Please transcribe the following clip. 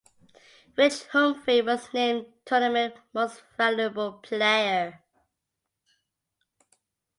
Rich Humphrey was named Tournament Most Valuable Player.